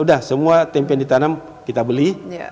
udah semua tempe yang ditanam kita beli